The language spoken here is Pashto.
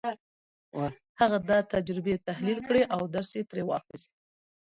هغه دا تجربې تحليل کړې او درس يې ترې واخيست.